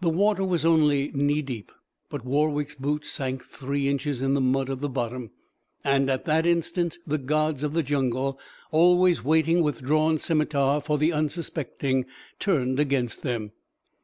The water was only knee deep, but Warwick's boots sank three inches in the mud of the bottom. And at that instant the gods of the jungle, always waiting with drawn scimitar for the unsuspecting, turned against them.